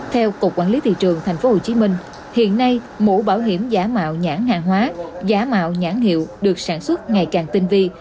theo cục quản lý thị trường tp hcm hiện nay mũ bảo hiểm giả mạo nhãn hàng hóa giả mạo nhãn hiệu được sản xuất ngày càng tinh vi